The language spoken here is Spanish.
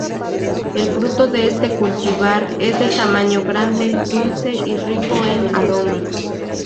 El fruto de este cultivar es de tamaño grande, dulce y rico en aromas.